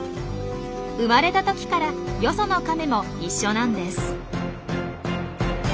生まれた時からよそのカメも一緒なんです。